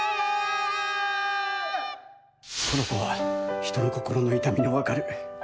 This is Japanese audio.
この子は人の心の痛みの分かる